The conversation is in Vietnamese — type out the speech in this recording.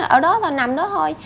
ở đó thì nằm đó thôi